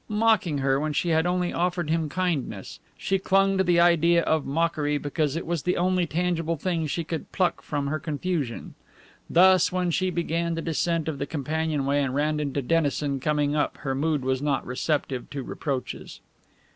Mocking her, when she had only offered him kindness! She clung to the idea of mockery because it was the only tangible thing she could pluck from her confusion. Thus when she began the descent of the companionway and ran into Dennison coming up her mood was not receptive to reproaches.